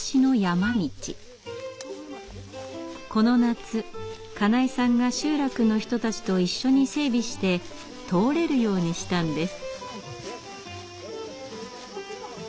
この夏金井さんが集落の人たちと一緒に整備して通れるようにしたんです。